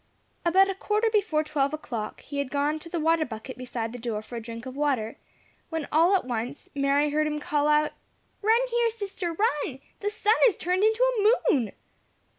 About a quarter before twelve o'clock he had gone to the water bucket beside the door for a drink of water, when all at once Mary heard him call out, "Run here, sister, run! The sun has turned into a moon!"